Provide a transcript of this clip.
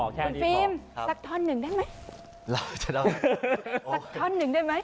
เป็นฟิล์มสักทอนหนึ่งได้ไหม